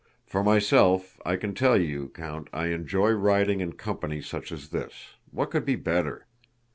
For myself, I can tell you, Count, I enjoy riding in company such as this... what could be better?"